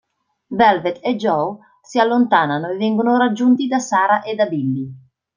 Velvet e Joe si allontanano e vengono raggiunti da Sarah e da Billy.